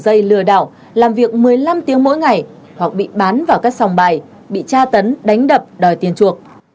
đường dây lừa đảo làm việc một mươi năm tiếng mỗi ngày hoặc bị bán vào các sòng bài bị tra tấn đánh đập đòi tiền chuộc